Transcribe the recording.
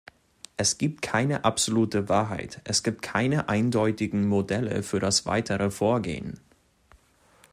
Es gibt keine absolute Wahrheit, es gibt keine eindeutigen Modelle für das weitere Vorgehen.